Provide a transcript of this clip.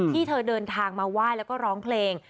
ที่เธอเดินทางมาไหว้แล้วก็ร้องเพลง